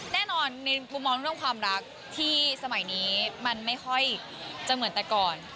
แน่นอนในมุมมองเรื่องความรักที่สมัยนี้มันไม่ค่อยจะเหมือนแต่ก่อน